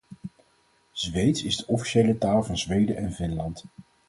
Zweeds is de officiële taal van Zweden en Finland.